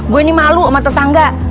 gue ini malu sama tetangga